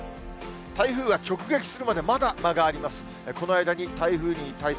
台風が直撃するまでまだ間があります。